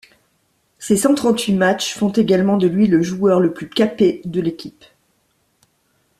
Ces cent-trente-huit matchs font également de lui le joueur le plus capé de l'équipe.